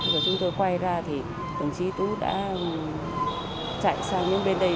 giờ chúng tôi quay ra thì đồng chí tú đã chạy sang bên đây